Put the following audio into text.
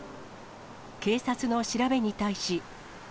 警察の調べに対し。